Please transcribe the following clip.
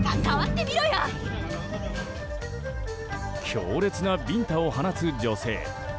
強烈なビンタを放つ女性。